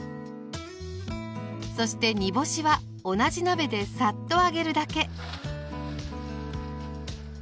そして煮干しは同じ鍋でサッと揚げるだけ。